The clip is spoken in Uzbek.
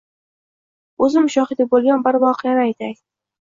O’zim shoxidi bo’lgan bir voqeani aytay.